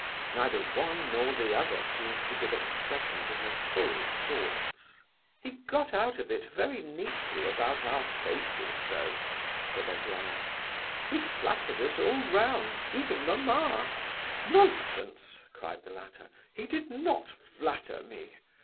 Neither one nor the other seemed to give expression to her full thoughts. "He got out of it very neatly about our faces, though," said Aglaya. "He flattered us all round, even mamma." "Nonsense!" cried the latter. "He did not flatter me.